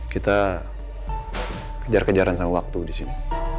kita kejar kejaran sama waktu di sini